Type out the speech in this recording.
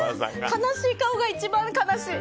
悲しい顔が一番悲しい。